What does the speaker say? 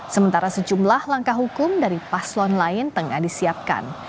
sementara sejumlah langkah hukum dari paslon lain tengah disiapkan